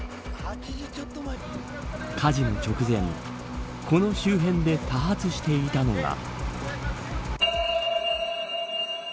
火事の直前この周辺で多発していたのが。